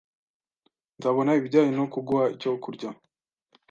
Nzabona ibijyanye no kuguha icyo kurya.